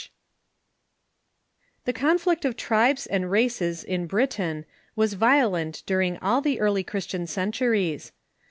] The conflict of tribes and I'aces in Britain was violent dur ing all the early Christian centuries.